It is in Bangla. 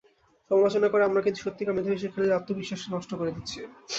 সমালোচনা করে আমরা কিন্তু সত্যিকার মেধাবী শিক্ষার্থীদের আত্মবিশ্বাসটাও নষ্ট করে দিচ্ছি।